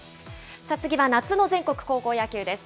次は夏の全国高校野球です。